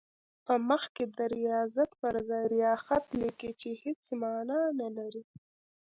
په مخ کې د ریاضت پر ځای ریاخت لیکي چې هېڅ معنی نه لري.